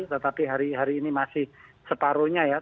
tetapi hari hari ini masih separuhnya ya